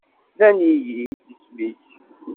Nnan-iyi-d isem-ik.